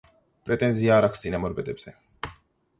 პრეტენზია არ აქვს წინამორბედზე.